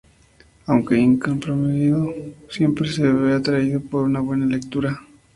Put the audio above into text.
Aunque incomprendido siempre se ve atraído por una buena lectura.